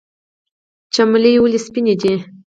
چمیلی ولې سپین دی؟